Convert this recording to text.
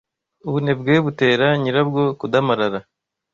Ubunebwe butera nyirabwo kudamarara